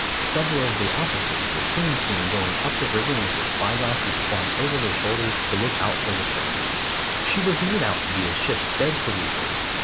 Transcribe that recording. Several of the officers were soon seen going up the rigging with their spy glasses slung over their shoulders to look out for the stranger. She was made out to be a ship dead to leeward.